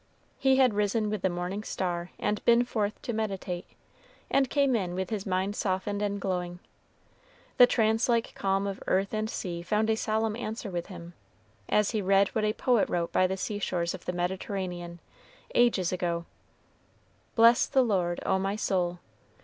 He had risen with the morning star and been forth to meditate, and came in with his mind softened and glowing. The trance like calm of earth and sea found a solemn answer with him, as he read what a poet wrote by the sea shores of the Mediterranean, ages ago: "Bless the Lord, O my soul.